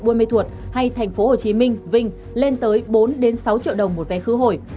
buôn mê thuột hay thành phố hồ chí minh vinh lên tới bốn sáu triệu đồng một vé khứ hồi